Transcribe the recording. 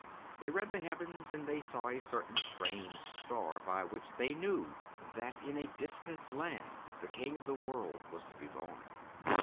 They read the heavens and they saw a certain strange star by which they knew that in a distant land the King of the world was to be born.